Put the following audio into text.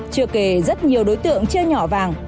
chưa kể rất nhiều đối tượng chưa nhỏ vàng